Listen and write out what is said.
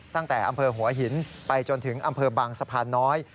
ตั้งแต่อำเภอหัวหินไปจนถึงอำเภอบางสะพานน้อย